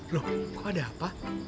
loh kok ada apa